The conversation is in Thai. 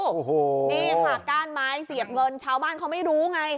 โอ้โหนี่ค่ะก้านไม้เสียบเงินชาวบ้านเขาไม่รู้ไง